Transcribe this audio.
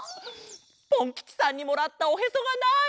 ポンきちさんにもらったおへそがない！